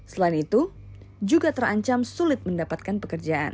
selain itu juga terancam sulit mendapatkan pekerjaan